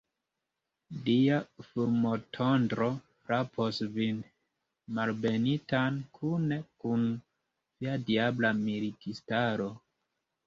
Dia fulmotondro frapos vin, malbenitan, kune kun via diabla militistaro!